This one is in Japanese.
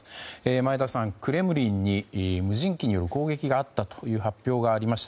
前田さん、クレムリンに無人機による攻撃があったと発表しています。